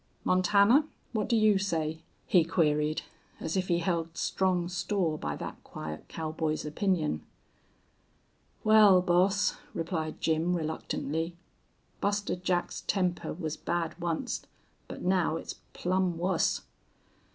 "Montana, what do you say?" he queried, as if he held strong store by that quiet cowboy's opinion. "Wal, boss," replied Jim, reluctantly, "Buster Jack's temper was bad onct, but now it's plumb wuss."